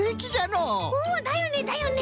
うんだよねだよね！